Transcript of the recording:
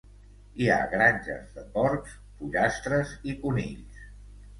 Hi ha granges de porcs, pollastres i conills.